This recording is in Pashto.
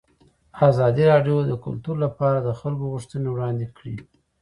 ازادي راډیو د کلتور لپاره د خلکو غوښتنې وړاندې کړي.